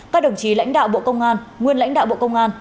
các đồng chí lãnh đạo bộ công an nguyên lãnh đạo bộ công an